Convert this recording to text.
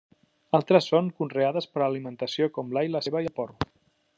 Altres són conreades per a alimentació, com l'all, la ceba i el porro.